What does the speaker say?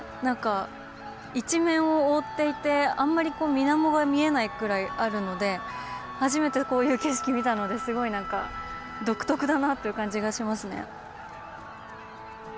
なんか一面を覆っていてあんまり水面が見えないくらいあるので初めてこういう景色見たのですごいなんか独特だなという感じがしますね。